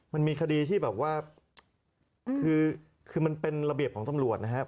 มันมีคดีที่แบบว่าคือมันเป็นระเบียบของตำรวจนะครับ